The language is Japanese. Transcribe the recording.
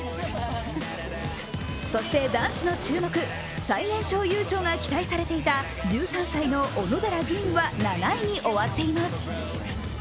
そして男子の注目、最年少優勝が期待されていた１３歳の小野寺吟雲は７位に終わっています。